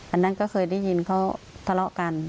อันนั้นก็เคยได้ยินเขาทะเลาะกัน